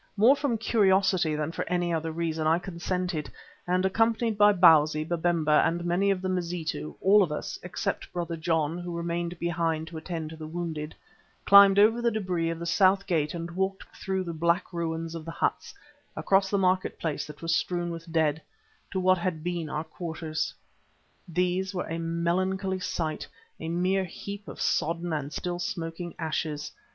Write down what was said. More from curiosity than for any other reason I consented and accompanied by Bausi, Babemba and many of the Mazitu, all of us, except Brother John, who remained behind to attend to the wounded, climbed over the debris of the south gate and walked through the black ruins of the huts, across the market place that was strewn with dead, to what had been our own quarters. These were a melancholy sight, a mere heap of sodden and still smoking ashes.